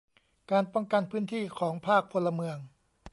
การป้องกันพื้นที่ของภาคพลเมือง